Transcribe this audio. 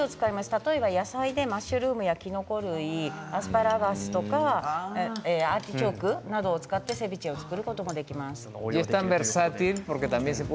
例えば野菜で、マッシュルームきのこ類、アスパラガスとかアーティチョークとかセビチェで作ることもできます。